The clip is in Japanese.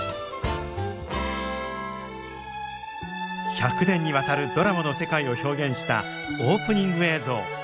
１００年にわたるドラマの世界を表現したオープニング映像。